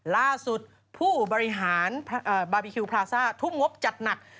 ล่าสุดผู้บริหารบาร์บีคิวพลาซ่าทุ่มงบจัดหนัก